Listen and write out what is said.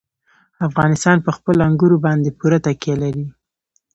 افغانستان په خپلو انګورو باندې پوره تکیه لري.